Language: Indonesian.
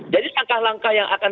jadi langkah langkah yang akan